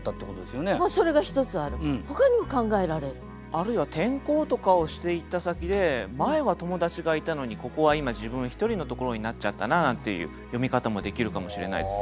あるいは転校とかをしていった先で前は友達がいたのにここは今自分一人のところになっちゃったななんていう読み方もできるかもしれないですね。